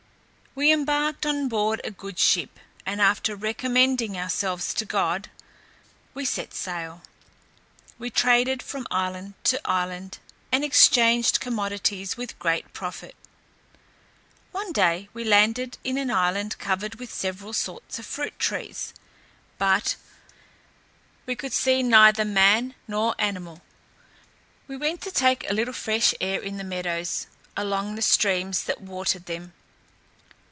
We embarked on board a good ship, and after recommending ourselves to God, set sail. We traded from island to island, and exchanged commodities with great profit. One day we landed in an island covered with several sorts of fruit trees, but we could see neither man nor animal. We went to take a little fresh air in the meadows, along the streams that watered them.